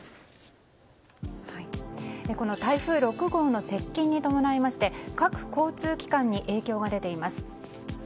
この台風６号の接近に伴いまして各交通機関に影響が出ています。